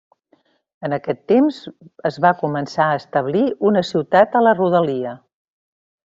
En aquest temps es va començar a establir una ciutat a la rodalia.